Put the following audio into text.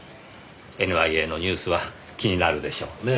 ＮＩＡのニュースは気になるでしょうねぇ。